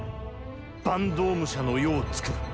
坂東武者の世をつくる。